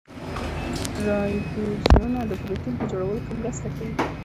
رایبوزومونه د پروټین په جوړولو کې مرسته کوي